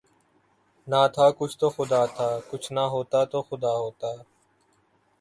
نہ تھا کچھ تو خدا تھا، کچھ نہ ہوتا تو خدا ہوتا